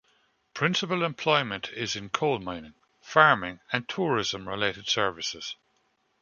Principal employment is in coal mining, farming and tourism related services.